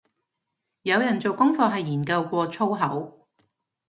有人做功課係研究過粗口